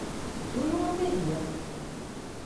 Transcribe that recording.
Toujours un plaisir